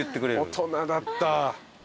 大人だった。